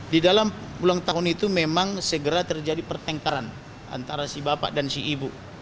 di dalam ulang tahun itu memang segera terjadi pertengkaran antara si bapak dan si ibu